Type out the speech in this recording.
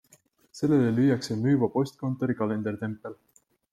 Sellele lüüakse müüva postkontori kalendertempel.